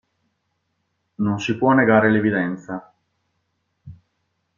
Non si può negare l'evidenza.